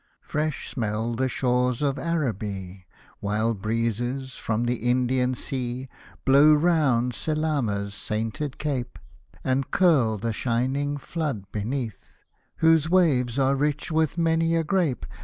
Fresh smell the shores of Araby, While breezes from the Indian Sea Blow round Selama's sainted cape, And curl the shining flood beneath, — Whose waves are rich with many a grape